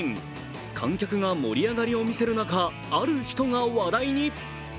観客が盛り上がりを見せる中、ある人が話題に。